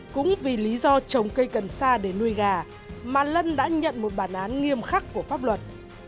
cũng vì lý do trồng cây cần xa để nuôi gà mà lân đã nhận một bản án nghiêm khắc của pháp luật